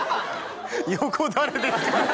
「横誰ですか？」